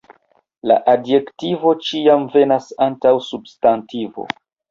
La adjektivo ĉiam venas antaŭ substantivo.